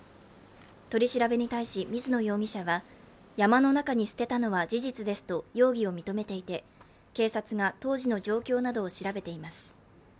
取り調べに対し水野容疑者は山の中に捨てたのは事実ですと容疑を認めていて警察が当時の状況などを調べています。